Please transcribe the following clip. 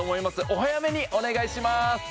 お早めにお願いします